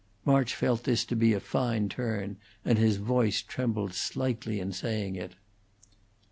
March felt this to be a fine turn, and his voice trembled slightly in saying it.